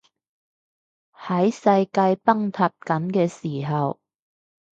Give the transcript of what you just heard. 喺世界崩塌緊嘅時候